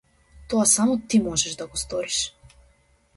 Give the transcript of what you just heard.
Тоа само ти можеш да го сториш.